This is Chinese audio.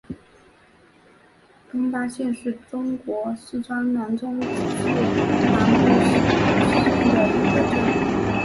东坝镇是中国四川省南充市南部县的一个镇。